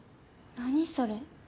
何それ。